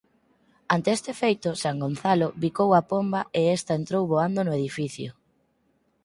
Ante este feito San Gonzalo bicou á pomba e esta entrou voando no edificio.